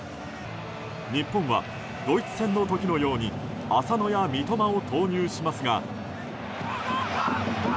日本はドイツ戦の時のように浅野や三笘を投入しますが。